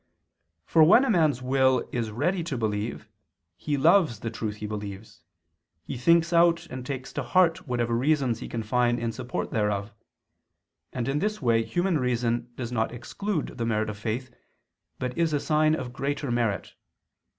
For when a man's will is ready to believe, he loves the truth he believes, he thinks out and takes to heart whatever reasons he can find in support thereof; and in this way human reason does not exclude the merit of faith but is a sign of greater merit.